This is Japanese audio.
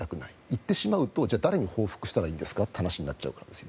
言ってしまうと、じゃあ誰に報復したらいいんですかという話になってしまうから。